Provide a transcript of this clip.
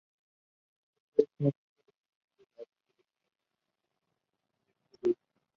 Ésta se encuentra en el museo de la Universidad Americana de Beirut.